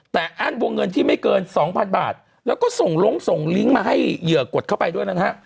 แต่อั้นวงเงินที่ไม่เกินสองพันบาทแล้วก็ส่งลงส่งลิงก์มาให้เหยื่อกดเข้าไปด้วยนะฮะ